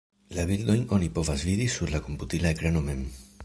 La bildojn oni povas vidi sur la komputila ekrano mem.